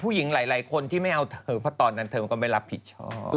หลายคนที่ไม่เอาเธอเพราะตอนนั้นเธอมันก็ไม่รับผิดชอบ